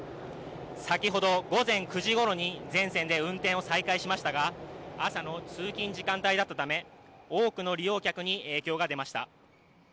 先ほど午前９時ごろに全線で運転を再開しましたが、朝の通勤時間帯だったため多くの利用客に影響が出ました。